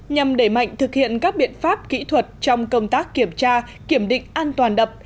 nhằm đẩy mạnh thực hiện các biện pháp kỹ thuật trong công tác kiểm tra kiểm định an toàn đập